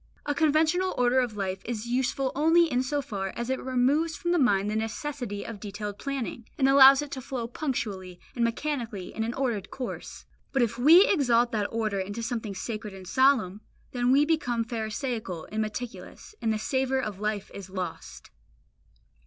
A conventional order of life is useful only in so far as it removes from the mind the necessity of detailed planning, and allows it to flow punctually and mechanically in an ordered course. But if we exalt that order into something sacred and solemn, then we become pharisaical and meticulous, and the savour of life is lost.